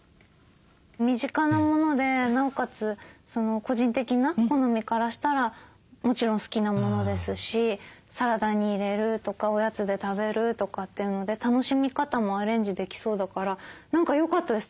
身近なものでなおかつ個人的な好みからしたらもちろん好きなものですしサラダに入れるとかおやつで食べるとかっていうので楽しみ方もアレンジできそうだから何かよかったです。